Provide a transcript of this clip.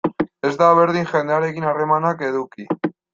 Ez da berdin jendearekin harremanak eduki.